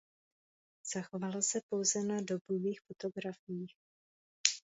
Zachovala se pouze na dobových fotografiích.